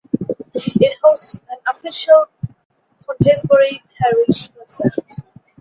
It hosts an official Pontesbury Parish website.